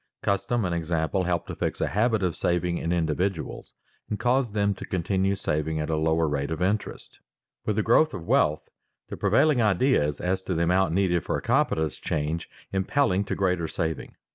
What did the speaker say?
Custom and example help to fix a habit of saving in individuals and cause them to continue saving at a lower rate of interest. With the growth of wealth, the prevailing ideas as to the amount needed for a competence change, impelling to greater saving.